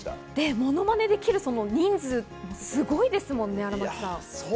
ものまねできる人数もすごいですもんね。